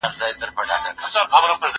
زه د کتابتون پاکوالی کړی دی؟